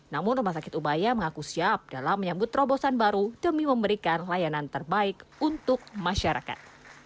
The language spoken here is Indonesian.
namun rumah sakit ubaya mengaku siap dalam menyambut terobosan baru demi memberikan layanan terbaik untuk masyarakat